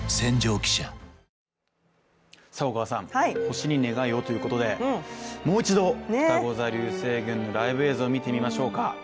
星に願いをということで、もう一度、ふたご座流星群のライブ映像を見てみましょうか。